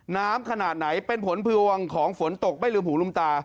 น้ำขนาดไหนเป็นผลพวงของฝนตกไม่ลืมหูลืมตา